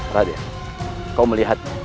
radia kau melihatnya